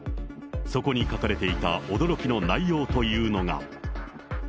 そこに書かれていた驚きの内容というのが。